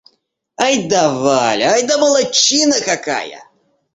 Ай да Валя! Ай да молодчина какая!